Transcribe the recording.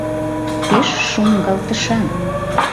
Пеш шуҥгалтышан.